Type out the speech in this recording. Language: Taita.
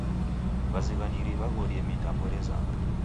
W'azighaniri w'aghorie mitambo rezama.